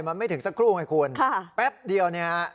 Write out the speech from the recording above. มันไม่ถึงสักครู่ไงคุณแป๊บเดียวเนี่ยฮะ